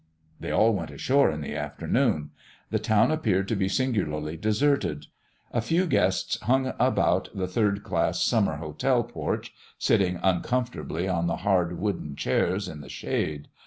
They all went ashore in the afternoon. The town appeared to be singularly deserted. A few guests hung about the third class summer hotel porch, sitting uncomfortably on the hard, wooden chairs in the shade.